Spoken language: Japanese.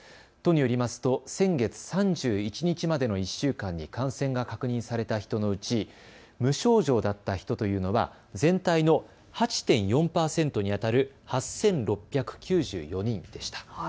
都によりますと先月３１日までの１週間に感染が確認された人のうち無症状だった人というのは全体の８．４％にあたる８６９４人でした。